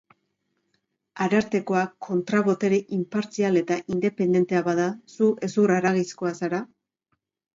Arartekoa kontra-botere inpartzial eta independentea bada, zu hezur-haragizkoa zara?